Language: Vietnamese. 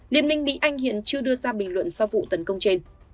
liên minh mỹ anh hiện chưa đưa ra bình luận sau vụ tấn công trên